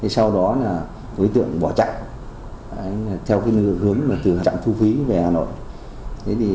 sau đó là đối tượng bỏ chạy theo hướng từ trạm thu phí về hà nội